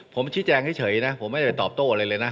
ผมชี้แจงเฉยนะผมไม่ได้ไปตอบโต้อะไรเลยนะ